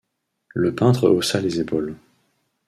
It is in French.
Le peintre haussa les épaules.